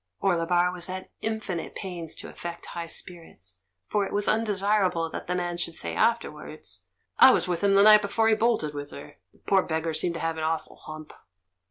Orle bar was at infinite pains to affect high spirits, for it was undesirable that the man should say after wards, "I was with him the night before he bolt ed with her — the poor beggar seemed to have an awful hump."